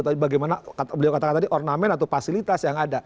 tapi bagaimana beliau katakan tadi ornamen atau fasilitas yang ada